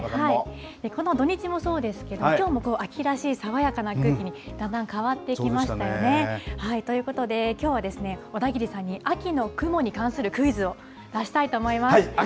この土日もそうですけれども、きょうも秋らしい爽やかな空気にだんだん変わってきましたよね。ということで、きょうは小田切さんに秋の雲に関するクイズを出したいと思います。